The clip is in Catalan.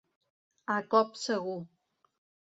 A cop segur.